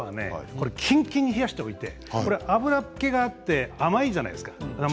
食べ方はキンキンに冷やしておいて、これ脂気があって甘いじゃないですか。